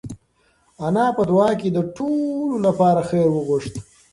انا په دعا کې د ټولو لپاره خیر وغوښت.